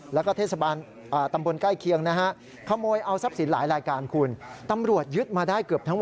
แล้วก็เทศบาลตำบลใกล้เคียงนะฮะ